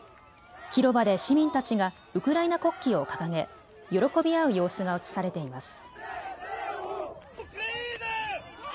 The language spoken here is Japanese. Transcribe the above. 広場で市民たちがウクライナ国旗を掲げ喜び合う様子が映されています。